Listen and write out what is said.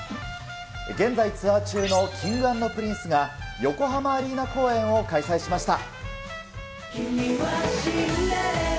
現在ツアー中のＫｉｎｇ＆Ｐｒｉｎｃｅが横浜アリーナ公演を開催しました。